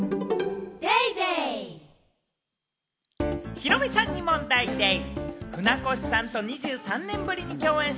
ヒロミさんに問題でぃす！